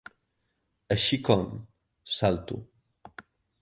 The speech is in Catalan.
Així com? —salto.